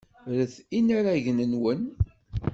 Ret inaragen-nwen.